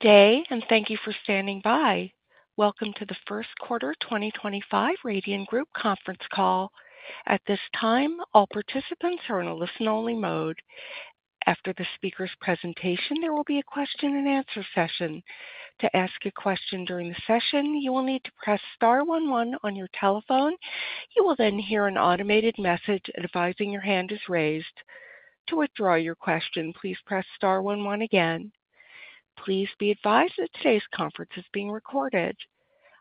Today, and thank you for standing by. Welcome to the Q1 2025 Radian Group Conference Call. At this time, all participants are in a listen-only mode. After the speaker's presentation, there will be a question-and-answer session. To ask a question during the session, you will need to press star one one on your telephone. You will then hear an automated message advising your hand is raised. To withdraw your question, please press star one one again. Please be advised that today's conference is being recorded.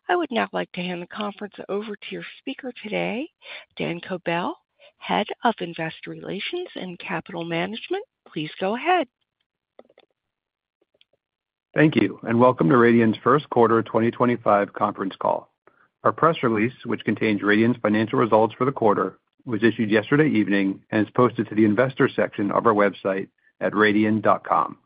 I would now like to hand the conference over to your speaker today, Dan Kobell, Head of Investor Relations and Capital Management. Please go ahead. Thank you, and welcome to Radian's Q1 2025 Conference Call. Our press release, which contains Radian's financial results for the quarter, was issued yesterday evening and is posted to the investor section of our website at radian.com.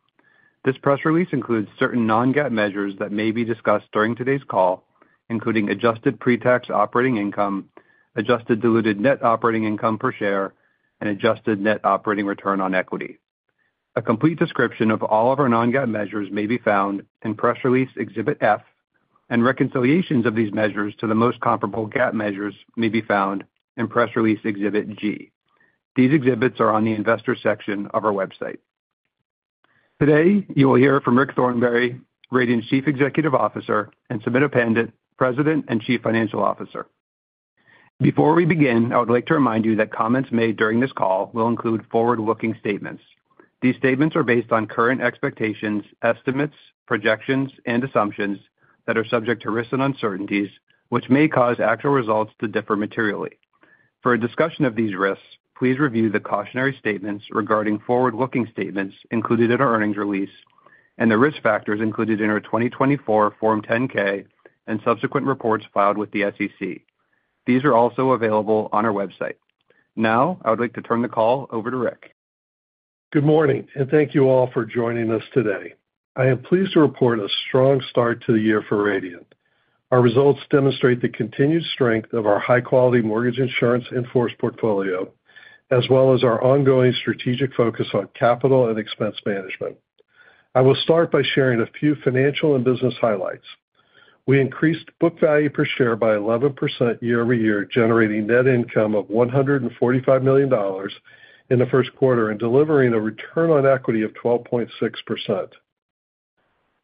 This press release includes certain non-GAAP measures that may be discussed during today's call, including adjusted pre-tax operating income, adjusted diluted net operating income per share, and adjusted net operating return on equity. A complete description of all of our non-GAAP measures may be found in press release Exhibit F, and reconciliations of these measures to the most comparable GAAP measures may be found in press release Exhibit G. These exhibits are on the investor section of our website. Today, you will hear from Rick Thornberry, Radian's Chief Executive Officer, and Sumita Pandit, President and Chief Financial Officer. Before we begin, I would like to remind you that comments made during this call will include forward-looking statements. These statements are based on current expectations, estimates, projections, and assumptions that are subject to risks and uncertainties, which may cause actual results to differ materially. For a discussion of these risks, please review the cautionary statements regarding forward-looking statements included in our earnings release and the risk factors included in our 2024 Form 10-K and subsequent reports filed with the SEC. These are also available on our website. Now, I would like to turn the call over to Rick. Good morning, and thank you all for joining us today. I am pleased to report a strong start to the year for Radian. Our results demonstrate the continued strength of our high-quality mortgage insurance in force portfolio, as well as our ongoing strategic focus on capital and expense management. I will start by sharing a few financial and business highlights. We increased book value per share by 11% year-over-year, generating net income of $145 million in the Q1 and delivering a return on equity of 12.6%.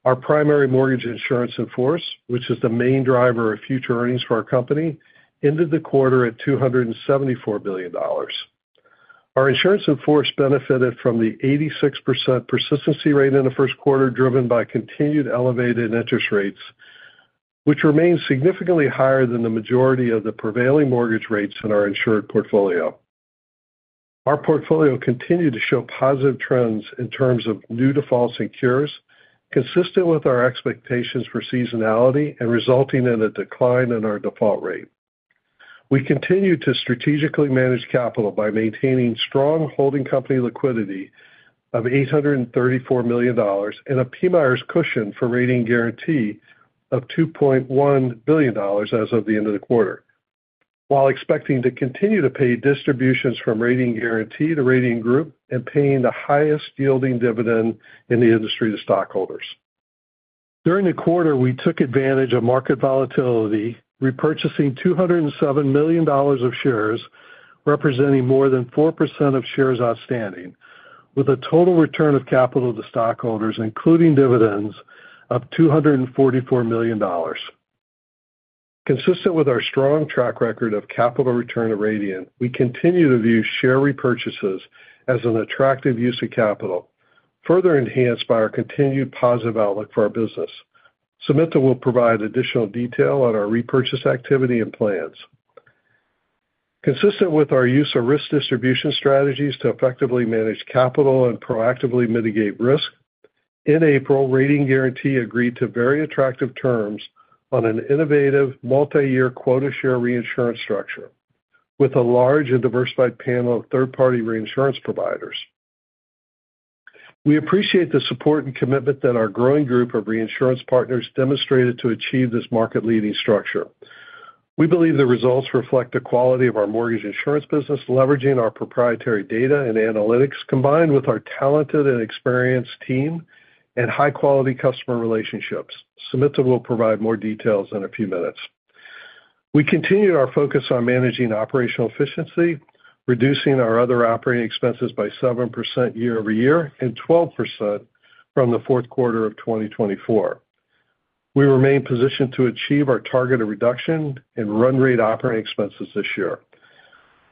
Our primary mortgage insurance in force, which is the main driver of future earnings for our company, ended the quarter at $274 billion. Our insurance in force benefited from the 86% persistency rate in the Q1, driven by continued elevated interest rates, which remained significantly higher than the majority of the prevailing mortgage rates in our insured portfolio. Our portfolio continued to show positive trends in terms of new defaults and cures, consistent with our expectations for seasonality and resulting in a decline in our default rate. We continue to strategically manage capital by maintaining strong holding company liquidity of $834 million and a PMIERs cushion for Radian Guaranty of $2.1 billion as of the end of the quarter, while expecting to continue to pay distributions from Radian Guaranty to Radian Group and paying the highest yielding dividend in the industry to stockholders. During the quarter, we took advantage of market volatility, repurchasing $207 million of shares, representing more than 4% of shares outstanding, with a total return of capital to stockholders, including dividends, of $244 million. Consistent with our strong track record of capital return at Radian, we continue to view share repurchases as an attractive use of capital, further enhanced by our continued positive outlook for our business. Sumita will provide additional detail on our repurchase activity and plans. Consistent with our use of risk distribution strategies to effectively manage capital and proactively mitigate risk, in April, Radian Guaranty agreed to very attractive terms on an innovative multi-year quota share reinsurance structure with a large and diversified panel of third-party reinsurance providers. We appreciate the support and commitment that our growing group of reinsurance partners demonstrated to achieve this market-leading structure. We believe the results reflect the quality of our mortgage insurance business, leveraging our proprietary data and analytics, combined with our talented and experienced team and high-quality customer relationships. Sumita will provide more details in a few minutes. We continue our focus on managing operational efficiency, reducing our other operating expenses by 7% year-over-year and 12% from the Q4 of 2024. We remain positioned to achieve our targeted reduction in run rate operating expenses this year.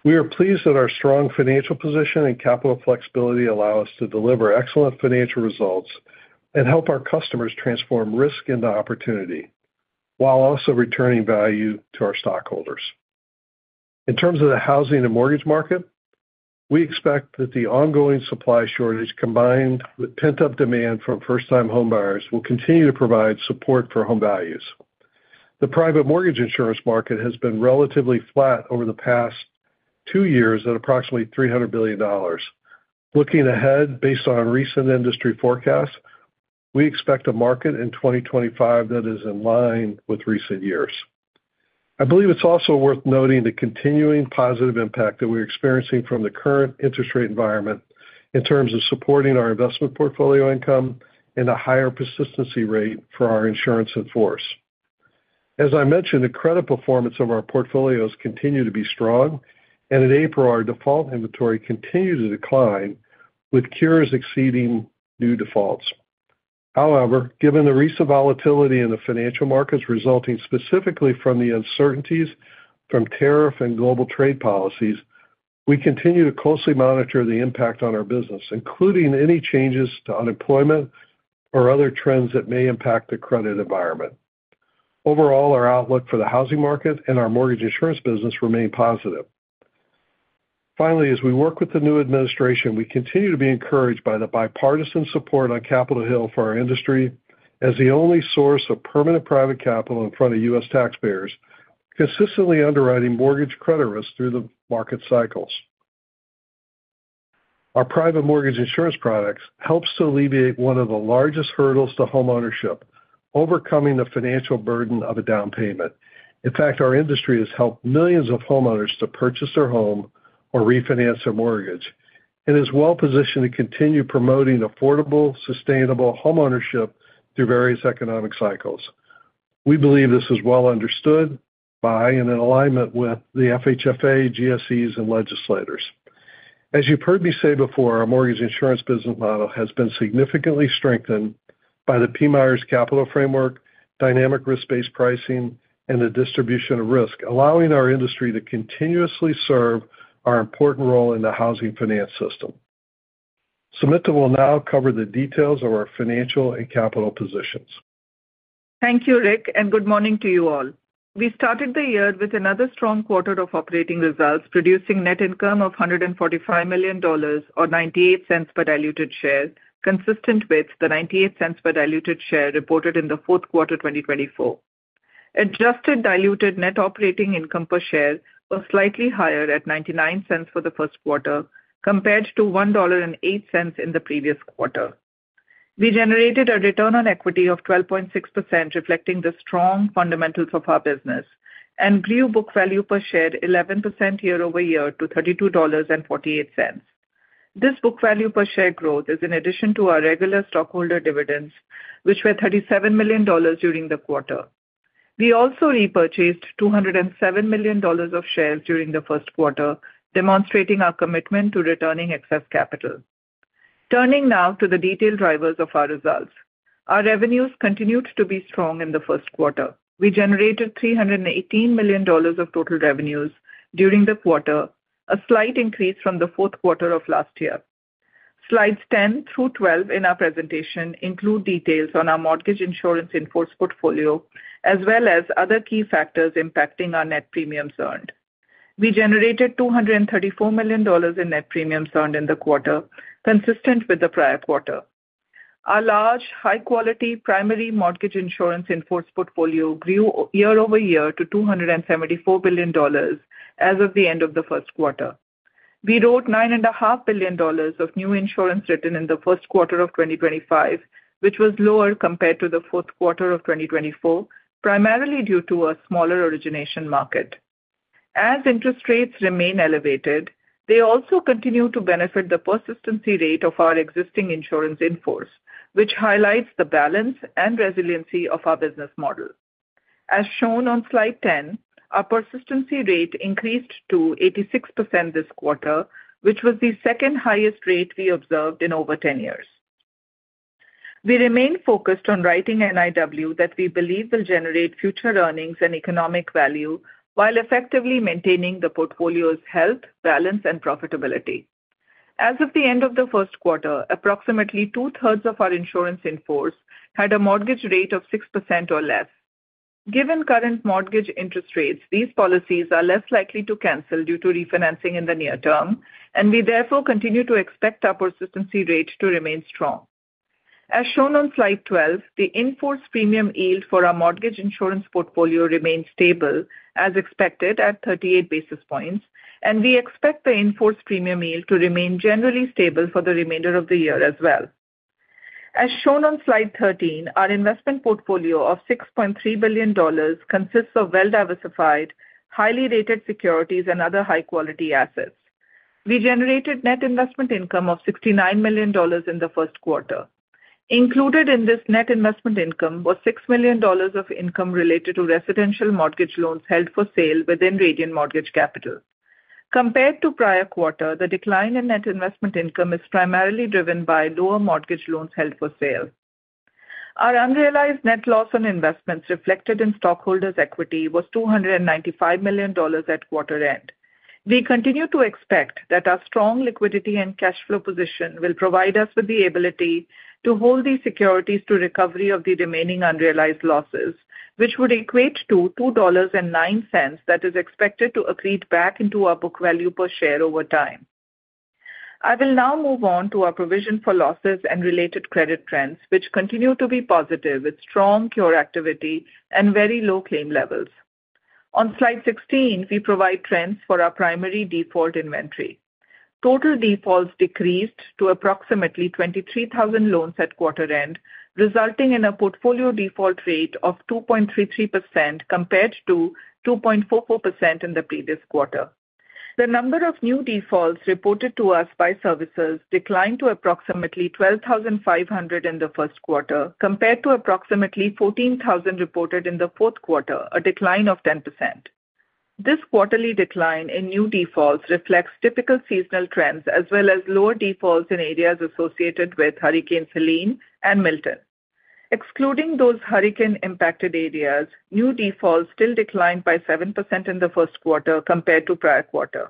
We are pleased that our strong financial position and capital flexibility allow us to deliver excellent financial results and help our customers transform risk into opportunity while also returning value to our stockholders. In terms of the housing and mortgage market, we expect that the ongoing supply shortage, combined with pent-up demand from first-time home buyers, will continue to provide support for home values. The private mortgage insurance market has been relatively flat over the past two years at approximately $300 billion. Looking ahead based on recent industry forecasts, we expect a market in 2025 that is in line with recent years. I believe it's also worth noting the continuing positive impact that we're experiencing from the current interest rate environment in terms of supporting our investment portfolio income and a higher persistency rate for our insurance in force. As I mentioned, the credit performance of our portfolios continues to be strong, and in April, our default inventory continued to decline, with cures exceeding new defaults. However, given the recent volatility in the financial markets resulting specifically from the uncertainties from tariff and global trade policies, we continue to closely monitor the impact on our business, including any changes to unemployment or other trends that may impact the credit environment. Overall, our outlook for the housing market and our mortgage insurance business remains positive. Finally, as we work with the new administration, we continue to be encouraged by the bipartisan support on Capitol Hill for our industry as the only source of permanent private capital in front of US taxpayers, consistently underwriting mortgage credit risk through the market cycles. Our private mortgage insurance products help to alleviate one of the largest hurdles to homeownership: overcoming the financial burden of a down payment. In fact, our industry has helped millions of homeowners to purchase their home or refinance their mortgage and is well positioned to continue promoting affordable, sustainable homeownership through various economic cycles. We believe this is well understood by and in alignment with the FHFA, GSEs, and legislators. As you've heard me say before, our mortgage insurance business model has been significantly strengthened by the PMIERs capital framework, dynamic risk-based pricing, and the distribution of risk, allowing our industry to continuously serve our important role in the housing finance system. Sumita will now cover the details of our financial and capital positions. Thank you, Rick, and good morning to you all. We started the year with another strong quarter of operating results, producing net income of $145 million or $0.98 per diluted share, consistent with the $0.98 per diluted share reported in the Q4 2024. Adjusted diluted net operating income per share was slightly higher at $0.99 for the Q1 compared to $1.08 in the previous quarter. We generated a return on equity of 12.6%, reflecting the strong fundamentals of our business, and grew book value per share 11% year-over-year to $32.48. This book value per share growth is in addition to our regular stockholder dividends, which were $37 million during the quarter. We also repurchased $207 million of shares during the Q1, demonstrating our commitment to returning excess capital. Turning now to the detailed drivers of our results, our revenues continued to be strong in the Q1. We generated $318 million of total revenues during the quarter, a slight increase from the Q4 of last year. Slides 10 through 12 in our presentation include details on our mortgage insurance in force portfolio, as well as other key factors impacting our net premiums earned. We generated $234 million in net premiums earned in the quarter, consistent with the prior quarter. Our large, high-quality primary mortgage insurance in force portfolio grew year-over-year to $274 billion as of the end of the Q1. We wrote $9.5 billion of new insurance written in the Q1 of 2025, which was lower compared to the Q4 of 2024, primarily due to a smaller origination market. As interest rates remain elevated, they also continue to benefit the persistency rate of our existing insurance in force, which highlights the balance and resiliency of our business model. As shown on Slide 10, our persistency rate increased to 86% this quarter, which was the second highest rate we observed in over 10 years. We remain focused on writing NIW that we believe will generate future earnings and economic value while effectively maintaining the portfolio's health, balance, and profitability. As of the end of the Q1, approximately 2/3 of our insurance in force had a mortgage rate of 6% or less. Given current mortgage interest rates, these policies are less likely to cancel due to refinancing in the near term, and we therefore continue to expect our persistency rate to remain strong. As shown on Slide 12, the in-force premium yield for our mortgage insurance portfolio remains stable, as expected, at 38 basis points, and we expect the in-force premium yield to remain generally stable for the remainder of the year as well. As shown on Slide 13, our investment portfolio of $6.3 billion consists of well-diversified, highly rated securities and other high-quality assets. We generated net investment income of $69 million in the Q1. Included in this net investment income was $6 million of income related to residential mortgage loans held for sale within Radian Mortgage Capital. Compared to prior quarter, the decline in net investment income is primarily driven by lower mortgage loans held for sale. Our unrealized net loss on investments reflected in stockholders' equity was $295 million at quarter end. We continue to expect that our strong liquidity and cash flow position will provide us with the ability to hold these securities to recovery of the remaining unrealized losses, which would equate to $2.09 that is expected to accrete back into our book value per share over time. I will now move on to our provision for losses and related credit trends, which continue to be positive with strong cure activity and very low claim levels. On Slide 16, we provide trends for our primary default inventory. Total defaults decreased to approximately 23,000 loans at quarter end, resulting in a portfolio default rate of 2.33% compared to 2.44% in the previous quarter. The number of new defaults reported to us by servicers declined to approximately 12,500 in the Q1, compared to approximately 14,000 reported in the Q4, a decline of 10%. This quarterly decline in new defaults reflects typical seasonal trends as well as lower defaults in areas associated with Hurricane Helene and Milton. Excluding those hurricane-impacted areas, new defaults still declined by 7% in the Q1 compared to prior quarter.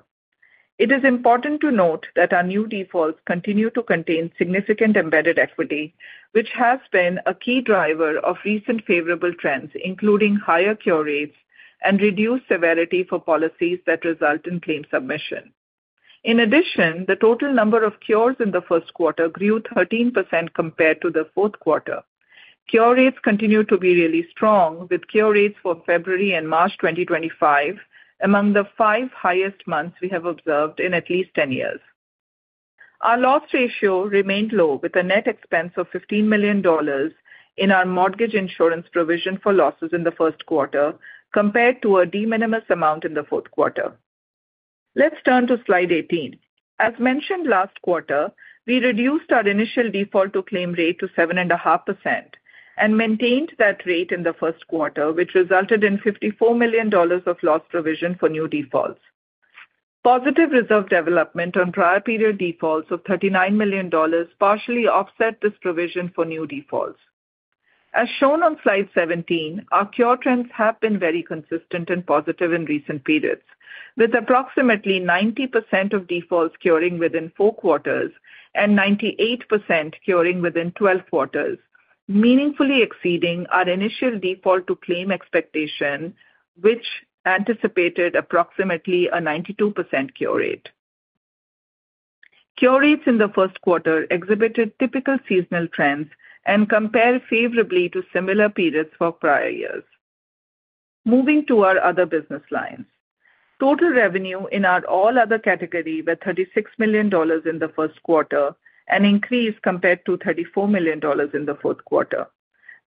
It is important to note that our new defaults continue to contain significant embedded equity, which has been a key driver of recent favorable trends, including higher cure rates and reduced severity for policies that result in claim submission. In addition, the total number of cures in the Q1 grew 13% compared to the Q4. Cure rates continue to be really strong, with cure rates for February and March 2025 among the five highest months we have observed in at least 10 years. Our loss ratio remained low, with a net expense of $15 million in our mortgage insurance provision for losses in the Q1 compared to a de minimis amount in the Q4. Let's turn to Slide 18. As mentioned last quarter, we reduced our initial default to claim rate to 7.5% and maintained that rate in the Q1, which resulted in $54 million of loss provision for new defaults. Positive reserve development on prior period defaults of $39 million partially offset this provision for new defaults. As shown on Slide 17, our cure trends have been very consistent and positive in recent periods, with approximately 90% of defaults curing within four quarters and 98% curing within 12 quarters, meaningfully exceeding our initial default to claim expectation, which anticipated approximately a 92% cure rate. Cure rates in the Q1 exhibited typical seasonal trends and compared favorably to similar periods for prior years. Moving to our other business lines, total revenue in our all other category was $36 million in the Q1 and increased compared to $34 million in the Q4.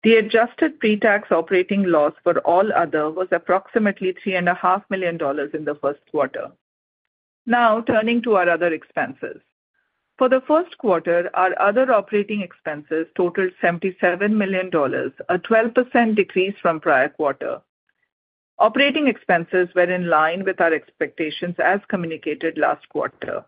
The adjusted pre-tax operating loss for all other was approximately $3.5 million in the Q1. Now, turning to our other expenses. For the Q1, our other operating expenses totaled $77 million, a 12% decrease from prior quarter. Operating expenses were in line with our expectations as communicated last quarter.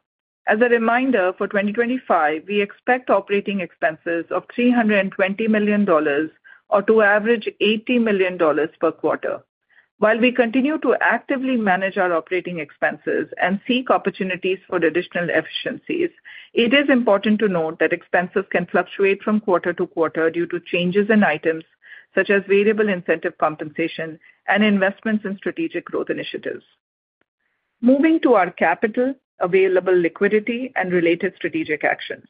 As a reminder, for 2025, we expect operating expenses of $320 million or to average $80 million per quarter. While we continue to actively manage our operating expenses and seek opportunities for additional efficiencies, it is important to note that expenses can fluctuate from quarter to quarter due to changes in items such as variable incentive compensation and investments in strategic growth initiatives. Moving to our capital, available liquidity, and related strategic actions.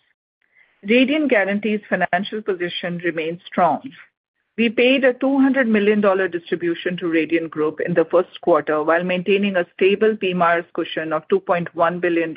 Radian Guaranty's financial position remains strong. We paid a $200 million distribution to Radian Group in the Q1 while maintaining a stable PMIERs cushion of $2.1 billion.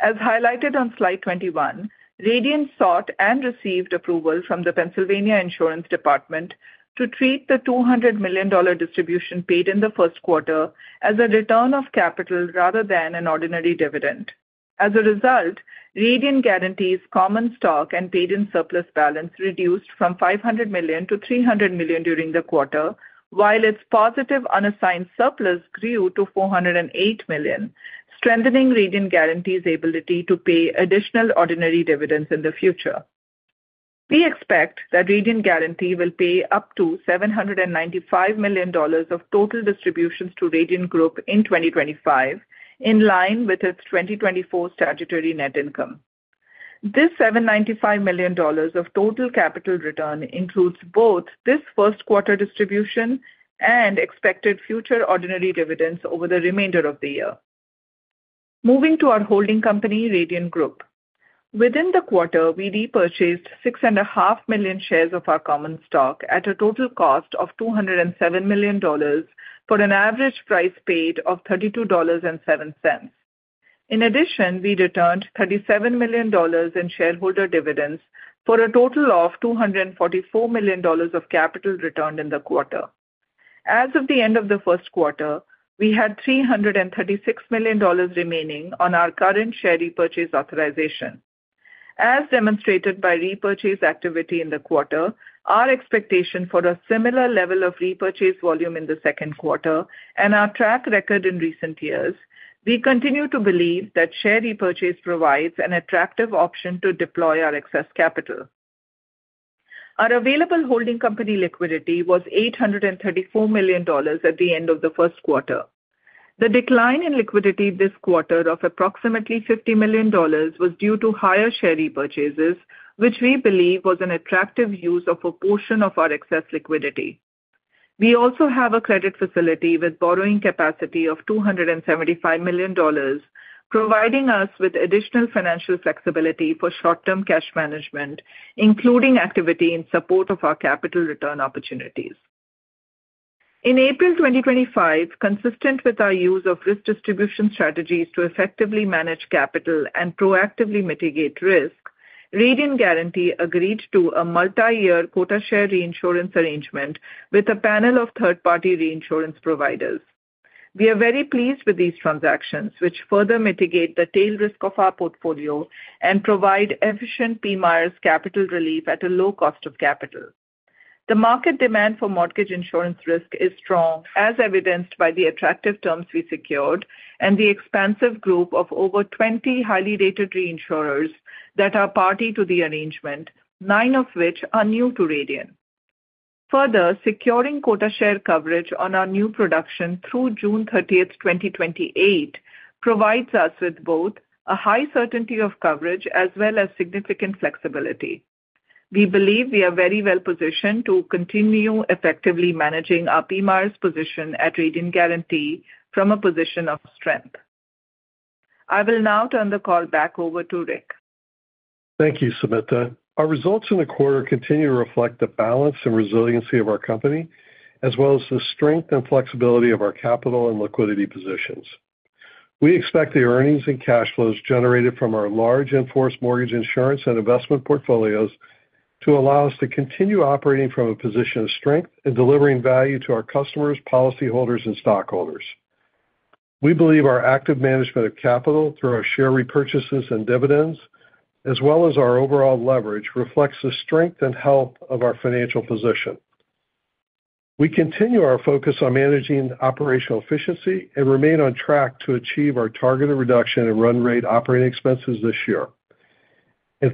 As highlighted on Slide 21, Radian sought and received approval from the Pennsylvania Insurance Department to treat the $200 million distribution paid in the Q1 as a return of capital rather than an ordinary dividend. As a result, Radian Guaranty's common stock and paid-in surplus balance reduced from $500 to 300 million during the quarter, while its positive unassigned surplus grew to $408 million, strengthening Radian Guaranty's ability to pay additional ordinary dividends in the future. We expect that Radian Guaranty will pay up to $795 million of total distributions to Radian Group in 2025, in line with its 2024 statutory net income. This $795 million of total capital return includes both this Q1 distribution and expected future ordinary dividends over the remainder of the year. Moving to our holding company, Radian Group. Within the quarter, we repurchased 6.5 million shares of our common stock at a total cost of $207 million for an average price paid of $32.07. In addition, we returned $37 million in shareholder dividends for a total of $244 million of capital returned in the quarter. As of the end of the Q1, we had $336 million remaining on our current share repurchase authorization. As demonstrated by repurchase activity in the quarter, our expectation for a similar level of repurchase volume in the Q2 and our track record in recent years, we continue to believe that share repurchase provides an attractive option to deploy our excess capital. Our available holding company liquidity was $834 million at the end of the Q1. The decline in liquidity this quarter of approximately $50 million was due to higher share repurchases, which we believe was an attractive use of a portion of our excess liquidity. We also have a credit facility with borrowing capacity of $275 million, providing us with additional financial flexibility for short-term cash management, including activity in support of our capital return opportunities. In April 2025, consistent with our use of risk distribution strategies to effectively manage capital and proactively mitigate risk, Radian Guaranty agreed to a multi-year quota share reinsurance arrangement with a panel of third-party reinsurance providers. We are very pleased with these transactions, which further mitigate the tail risk of our portfolio and provide efficient PMIERs capital relief at a low cost of capital. The market demand for mortgage insurance risk is strong, as evidenced by the attractive terms we secured and the expansive group of over 20 highly rated reinsurers that are party to the arrangement, nine of which are new to Radian. Further, securing quota share coverage on our new production through 30 June 2028, provides us with both a high certainty of coverage as well as significant flexibility. We believe we are very well positioned to continue effectively managing our PMIERs position at Radian Guaranty from a position of strength. I will now turn the call back over to Rick. Thank you, Sumita. Our results in the quarter continue to reflect the balance and resiliency of our company, as well as the strength and flexibility of our capital and liquidity positions. We expect the earnings and cash flows generated from our large in force mortgage insurance and investment portfolios to allow us to continue operating from a position of strength and delivering value to our customers, policyholders, and stockholders. We believe our active management of capital through our share repurchases and dividends, as well as our overall leverage, reflects the strength and health of our financial position. We continue our focus on managing operational efficiency and remain on track to achieve our targeted reduction in run rate operating expenses this year.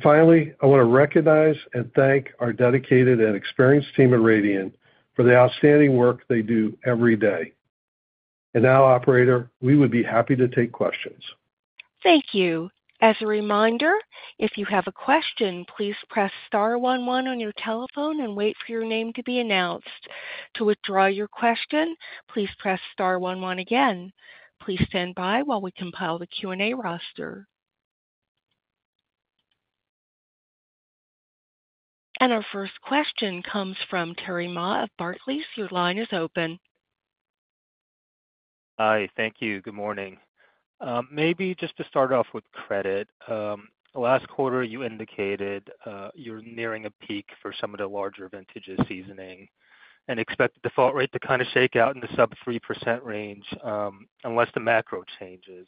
Finally, I want to recognize and thank our dedicated and experienced team at Radian for the outstanding work they do every day. Now, operator, we would be happy to take questions. Thank you. As a reminder, if you have a question, please press star one one on your telephone and wait for your name to be announced. To withdraw your question, please press star one one again. Please stand by while we compile the Q&A roster. Our first question comes from Terry Ma of Barclays. Your line is open. Hi. Thank you. Good morning. Maybe just to start off with credit, last quarter you indicated you're nearing a peak for some of the larger vintage seasoning and expect the default rate to, kind of, shake out in the sub-3% range unless the macro changes.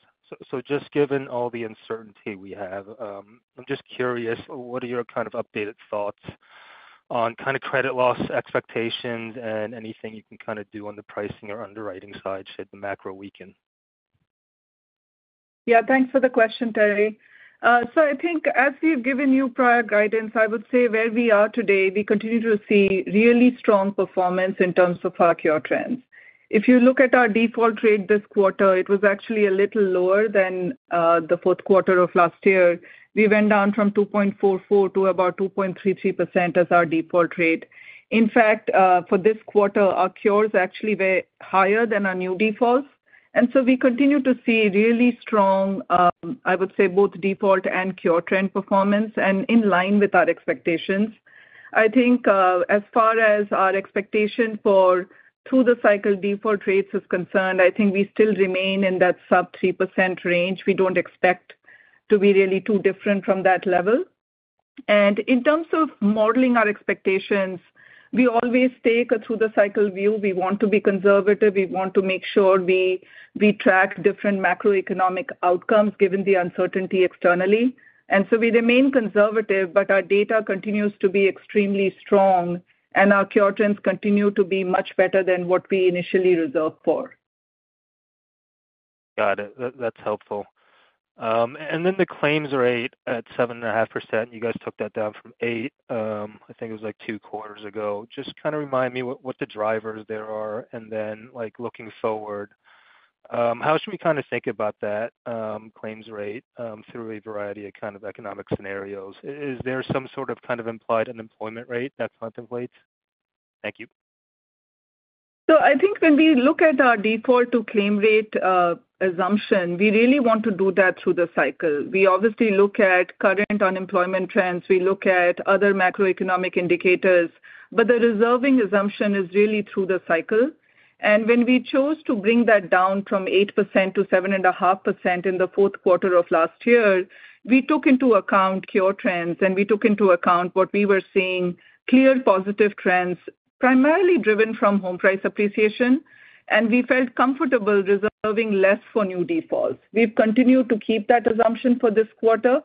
Just given all the uncertainty we have, I'm just curious, what are your, kind of, updated thoughts on, kind of, credit loss expectations and anything you can, kind of, do on the pricing or underwriting side should the macro weaken? Yeah, thanks for the question, Terry. I think as we've given you prior guidance, I would say where we are today, we continue to see really strong performance in terms of our cure trends. If you look at our default rate this quarter, it was actually a little lower than the Q4 of last year. We went down from 2.44% to about 2.33% as our default rate. In fact, for this quarter, our cures actually were higher than our new defaults. We continue to see really strong, I would say, both default and cure trend performance and in line with our expectations. I think as far as our expectation for through-the-cycle default rates is concerned, I think we still remain in that sub-3% range. We do not expect to be really too different from that level. In terms of modeling our expectations, we always take a through-the-cycle view. We want to be conservative. We want to make sure we track different macroeconomic outcomes given the uncertainty externally. We remain conservative, but our data continues to be extremely strong and our cure trends continue to be much better than what we initially reserved for. Got it. That's helpful. The claims rate at 7.5%, you guys took that down from 8%, I think it was like two quarters ago. Just kind of remind me what the drivers there are and then looking forward, how should we, kind of, think about that claims rate through a variety of, kind of, economic scenarios? Is there some sort of, kind of, implied unemployment rate that's onto plates? Thank you. I think when we look at our default to claim rate assumption, we really want to do that through the cycle. We obviously look at current unemployment trends. We look at other macroeconomic indicators, but the reserving assumption is really through the cycle. When we chose to bring that down from 8% to 7.5% in the Q4 of last year, we took into account cure trends and we took into account what we were seeing, clear positive trends primarily driven from home price appreciation. We felt comfortable reserving less for new defaults. We have continued to keep that assumption for this quarter.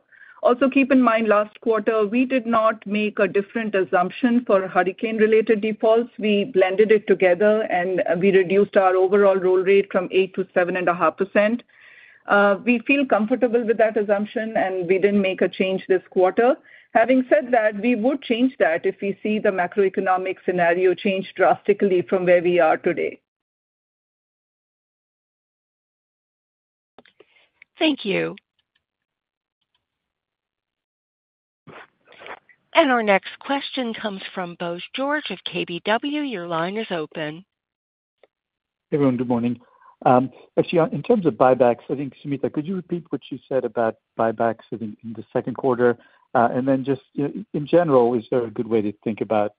Also keep in mind last quarter, we did not make a different assumption for hurricane-related defaults. We blended it together and we reduced our overall roll rate from 8% to 7.5%. We feel comfortable with that assumption and we did not make a change this quarter. Having said that, we would change that if we see the macroeconomic scenario change drastically from where we are today. Thank you. Our next question comes from Bose George of KBW. Your line is open. Hey, everyone. Good morning. Actually, in terms of buybacks, I think, Sumita, could you repeat what you said about buybacks in the Q2? And then just in general, is there a good way to think about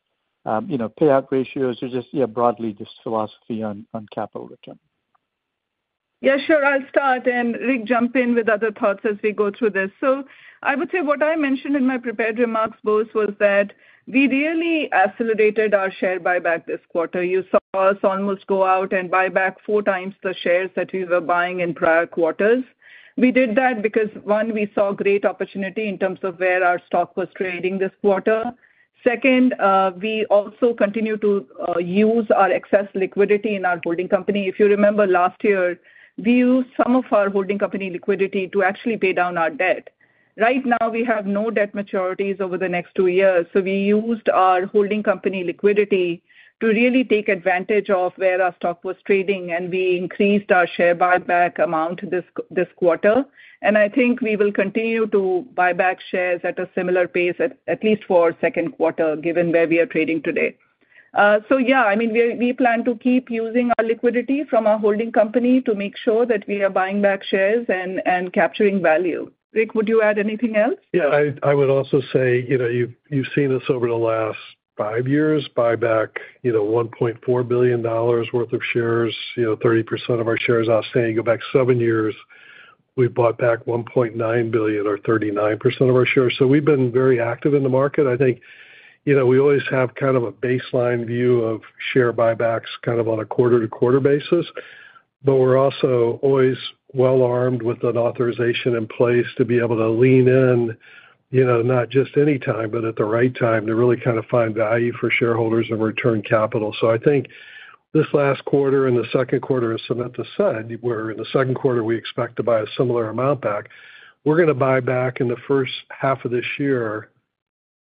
payout ratios or just broadly just philosophy on capital return? Yeah, sure. I'll start and Rick jump in with other thoughts as we go through this. I would say what I mentioned in my prepared remarks, Bose, was that we really accelerated our share buyback this quarter. You saw us almost go out and buy back four times the shares that we were buying in prior quarters. We did that because, one, we saw great opportunity in terms of where our stock was trading this quarter. Second, we also continue to use our excess liquidity in our holding company. If you remember last year, we used some of our holding company liquidity to actually pay down our debt. Right now, we have no debt maturities over the next two years. We used our holding company liquidity to really take advantage of where our stock was trading and we increased our share buyback amount this quarter. I think we will continue to buy back shares at a similar pace, at least for our Q2, given where we are trading today. Yeah, I mean, we plan to keep using our liquidity from our holding company to make sure that we are buying back shares and capturing value. Rick, would you add anything else? Yeah, I would also say you've seen us over the last five years buy back $1.4 billion worth of shares, 30% of our shares outstanding go back seven years. We bought back $1.9 billion or 39% of our shares. We have been very active in the market. I think we always have kind of a baseline view of share buybacks kind of on a quarter-to-quarter basis, but we are also always well armed with an authorization in place to be able to lean in not just any time, but at the right time to really kind of find value for shareholders and return capital. I think this last quarter and the Q2, as Sumita said, where in the Q2 we expect to buy a similar amount back, we are going to buy back in the first half of this year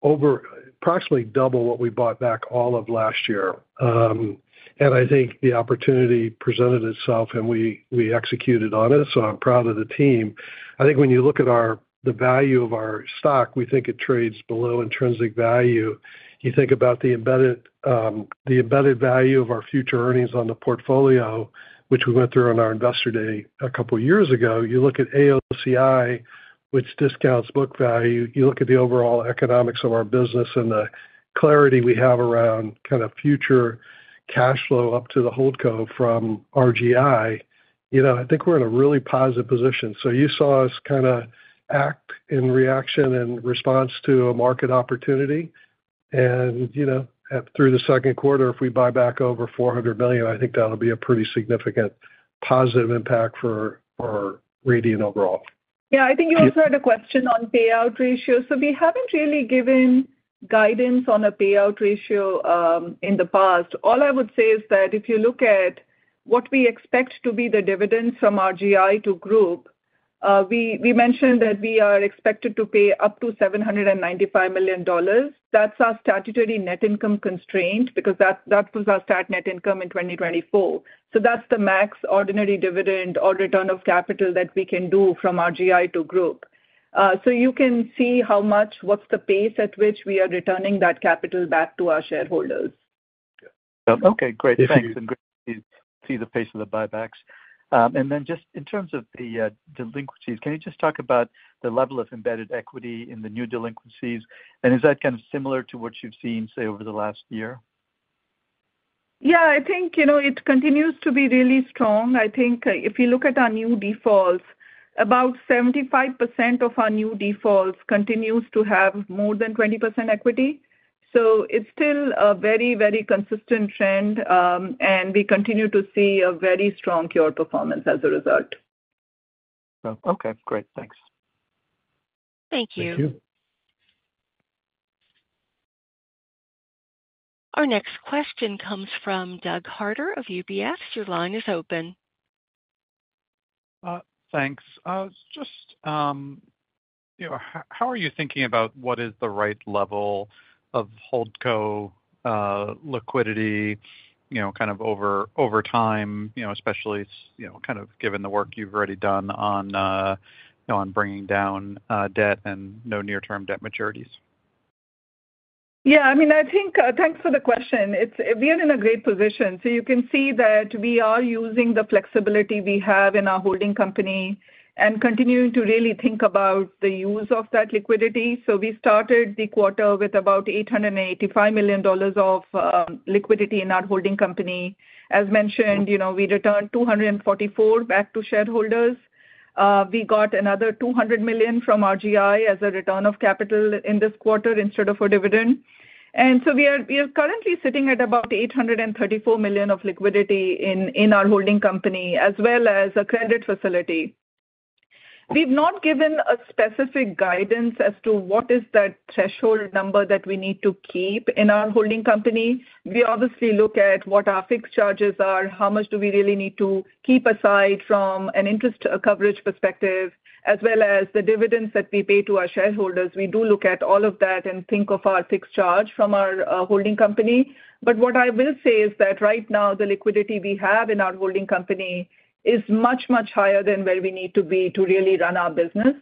over approximately double what we bought back all of last year. I think the opportunity presented itself and we executed on it. I am proud of the team. I think when you look at the value of our stock, we think it trades below intrinsic value. You think about the embedded value of our future earnings on the portfolio, which we went through on our Investor Day a couple of years ago. You look at AOCI, which discounts book value. You look at the overall economics of our business and the clarity we have around kind of future cash flow up to the Holdco from RGI. I think we're in a really positive position. You saw us kind of act in reaction and response to a market opportunity. Through the Q2, if we buy back over $400 million, I think that'll be a pretty significant positive impact for Radian overall. Yeah, I think you also had a question on payout ratio. We haven't really given guidance on a payout ratio in the past. All I would say is that if you look at what we expect to be the dividends from RGI to Group, we mentioned that we are expected to pay up to $795 million. That's our statutory net income constraint because that was our stat net income in 2024. That's the max ordinary dividend or return of capital that we can do from RGI to Group. You can see how much, what's the pace at which we are returning that capital back to our shareholders. Okay. Great. Thanks. Great to see the pace of the buybacks. In terms of the delinquencies, can you just talk about the level of embedded equity in the new delinquencies? Is that kind of similar to what you've seen, say, over the last year? I think it continues to be really strong. I think if you look at our new defaults, about 75% of our new defaults continues to have more than 20% equity. So it's still a very, very consistent trend, and we continue to see a very strong cure performance as a result. Okay. Great. Thanks. Thank you. Thank you. Our next question comes from Doug Harter of UBS. Your line is open. Thanks. Just how are you thinking about what is the right level of Holdco liquidity kind of over time, especially kind of given the work you've already done on bringing down debt and no near-term debt maturities? Yeah. I mean, I think thanks for the question. We are in a great position. So you can see that we are using the flexibility we have in our holding company and continuing to really think about the use of that liquidity. We started the quarter with about $885 million of liquidity in our holding company. As mentioned, we returned $244 million back to shareholders. We got another $200 million from RGI as a return of capital in this quarter instead of a dividend. We are currently sitting at about $834 million of liquidity in our holding company as well as a credit facility. We've not given a specific guidance as to what is that threshold number that we need to keep in our holding company. We obviously look at what our fixed charges are, how much do we really need to keep aside from an interest coverage perspective, as well as the dividends that we pay to our shareholders. We do look at all of that and think of our fixed charge from our holding company. What I will say is that right now, the liquidity we have in our holding company is much, much higher than where we need to be to really run our business.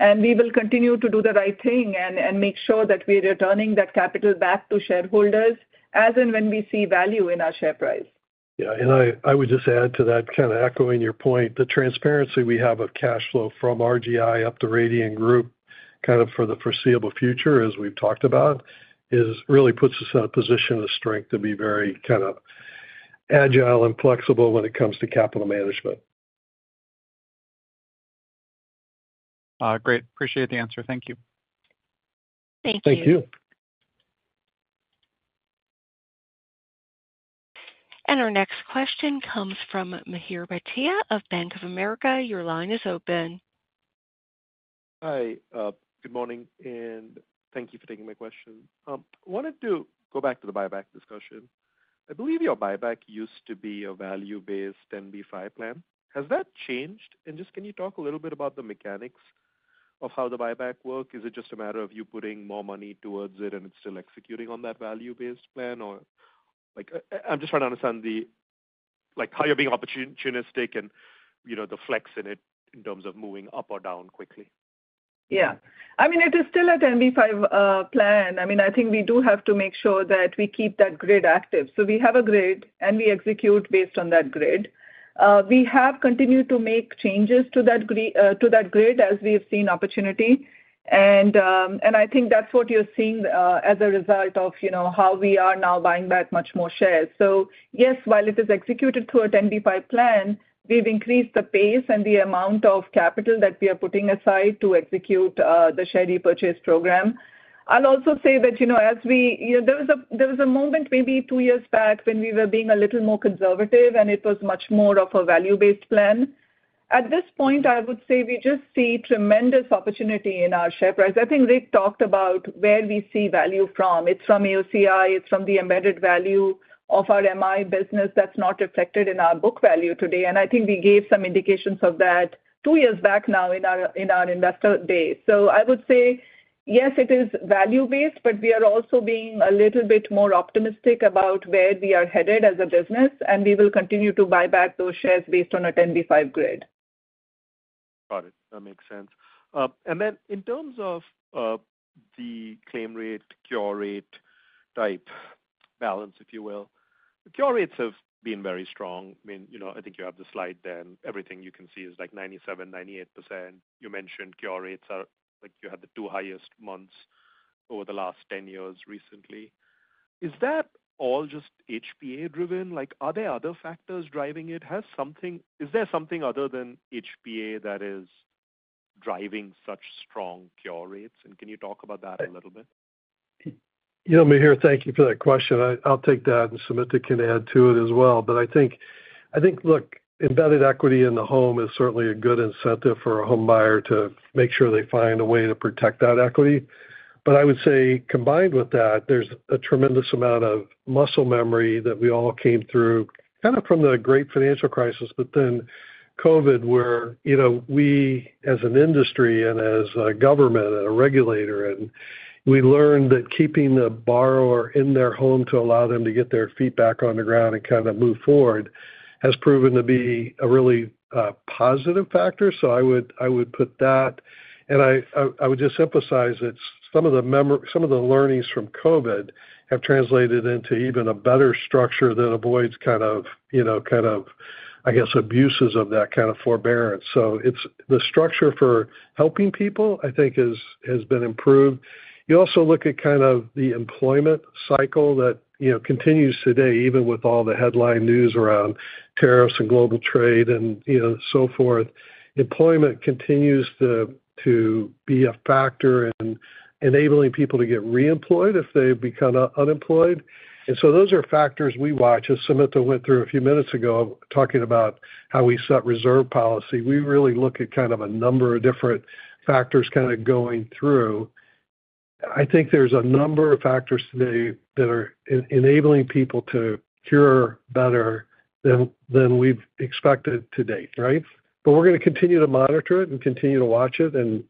We will continue to do the right thing and make sure that we are returning that capital back to shareholders as and when we see value in our share price. Yeah. I would just add to that, kind of echoing your point, the transparency we have of cash flow from RGI up to Radian Group kind of for the foreseeable future, as we've talked about, really puts us in a position of strength to be very kind of agile and flexible when it comes to capital management. Great. Appreciate the answer. Thank you. Thank you. Thank you. Our next question comes from Mihir Bhatia of Bank of America. Your line is open. Hi. Good morning. Thank you for taking my question. I wanted to go back to the buyback discussion. I believe your buyback used to be a value-based 10b-5 plan. Has that changed? Can you talk a little bit about the mechanics of how the buyback works? Is it just a matter of you putting more money towards it and it is still executing on that value-based plan? I am just trying to understand how you are being opportunistic and the flex in it in terms of moving up or down quickly. Yeah. It is still a 10b-5 plan. I think we do have to make sure that we keep that grid active. We have a grid, and we execute based on that grid. We have continued to make changes to that grid as we have seen opportunity. I think that is what you are seeing as a result of how we are now buying back much more shares. Yes, while it is executed through a 10b-5 plan, we have increased the pace and the amount of capital that we are putting aside to execute the share repurchase program. I will also say that there was a moment maybe two years back when we were being a little more conservative, and it was much more of a value-based plan. At this point, I would say we just see tremendous opportunity in our share price. I think Rick talked about where we see value from. It is from AOCI. It is from the embedded value of our MI business that is not reflected in our book value today. I think we gave some indications of that two years back now in our Investor Day. I would say, yes, it is value-based, but we are also being a little bit more optimistic about where we are headed as a business, and we will continue to buy back those shares based on a 10b-5 grid. Got it. That makes sense. In terms of the claim rate, cure rate type balance, if you will, the cure rates have been very strong. I mean, I think you have the slide then. Everything you can see is like 97%, 98%. You mentioned cure rates are like you had the two highest months over the last 10 years recently. Is that all just HPA driven? Are there other factors driving it? Is there something other than HPA that is driving such strong cure rates? Can you talk about that a little bit? Mihir, thank you for that question. I'll take that and Sumita can add to it as well. I think, look, embedded equity in the home is certainly a good incentive for a home buyer to make sure they find a way to protect that equity. I would say combined with that, there's a tremendous amount of muscle memory that we all came through kind of from the great financial crisis, then COVID, where we as an industry and as a government and a regulator, we learned that keeping the borrower in their home to allow them to get their feet back on the ground and kind of move forward has proven to be a really positive factor. I would put that. I would just emphasize that some of the learnings from COVID have translated into even a better structure that avoids kind of, I guess, abuses of that kind of forbearance. The structure for helping people, I think, has been improved. You also look at kind of the employment cycle that continues today, even with all the headline news around tariffs and global trade and so forth. Employment continues to be a factor in enabling people to get reemployed if they become unemployed. Those are factors we watch. As Sumita went through a few minutes ago talking about how we set reserve policy, we really look at kind of a number of different factors kind of going through. I think there is a number of factors today that are enabling people to cure better than we've expected to date, right? We're going to continue to monitor it and continue to watch it and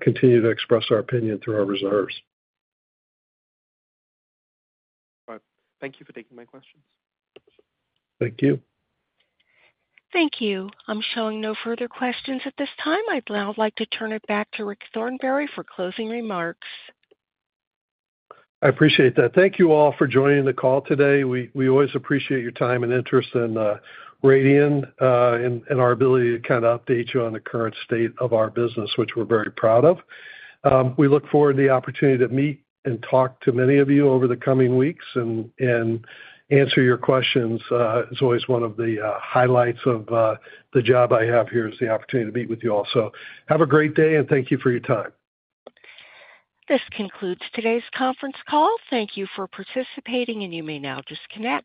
continue to express our opinion through our reserves. Thank you for taking my questions. Thank you. Thank you. I'm showing no further questions at this time. I'd now like to turn it back to Rick Thornberry for closing remarks. I appreciate that. Thank you all for joining the call today. We always appreciate your time and interest in Radian and our ability to kind of update you on the current state of our business, which we're very proud of. We look forward to the opportunity to meet and talk to many of you over the coming weeks and answer your questions. It's always one of the highlights of the job I have here is the opportunity to meet with you all. Have a great day, and thank you for your time. This concludes today's conference call. Thank you for participating, and you may now disconnect.